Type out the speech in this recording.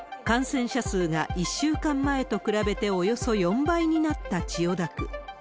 感染者数が１週間前と比べておよそ４倍になった千代田区。